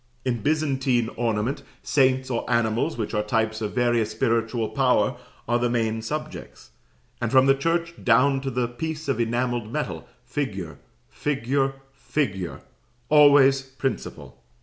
In Byzantine ornament, saints, or animals which are types of various spiritual power, are the main subjects; and from the church down to the piece of enamelled metal, figure, figure, figure, always principal.